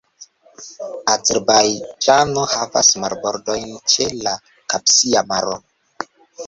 Azerbajĝano havas marbordojn ĉe la Kaspia Maro.